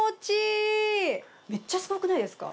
めっちゃすごくないですか？